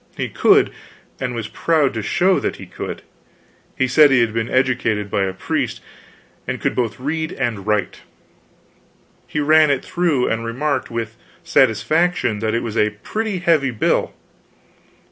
He could, and was proud to show that he could. He said he had been educated by a priest, and could both read and write. He ran it through, and remarked with satisfaction that it was a pretty heavy bill.